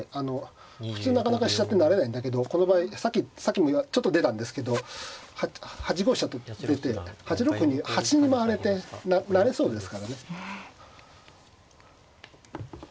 普通なかなか飛車って成れないんだけどこの場合さっきもちょっと出たんですけど８五飛車と出て８六に端に回れて成れそうですからね。